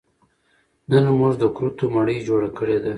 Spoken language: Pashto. نن موږ د کورتو مړۍ جوړه کړې ده